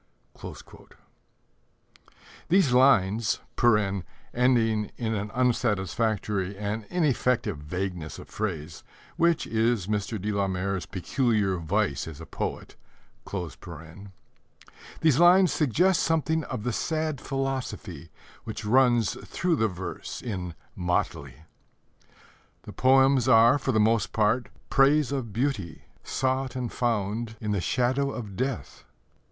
These lines (ending in an unsatisfactory and ineffective vagueness of phrase, which is Mr. de la Mare's peculiar vice as a poet) suggests something of the sad philosophy which runs through the verse in Motley. The poems are, for the most part, praise of beauty sought and found in the shadow of death.